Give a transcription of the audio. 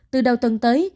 từ đầu tuần tới